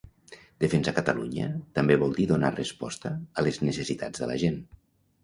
Defensar Catalunya també vol dir donar resposta a les necessitats de la gent